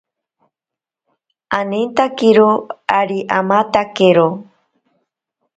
Anintakiro ari amatakero.